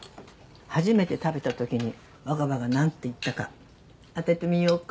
初めて食べたときに若葉がなんて言ったか当ててみようか？